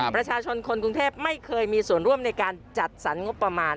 ประชาชนคนกรุงเทพไม่เคยมีส่วนร่วมในการจัดสรรงบประมาณ